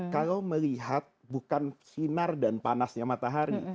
kalau melihat bukan sinar dan panasnya matahari